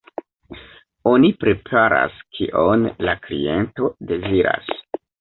Oni preparas, kion la kliento deziras.